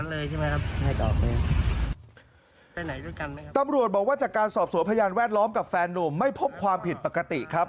เลยใช่ไหมครับไปไหนด้วยกันตำรวจบอกว่าจากการสอบสวยพยานแวดล้อมกับแฟนลูมไม่พบความผิดปกติครับ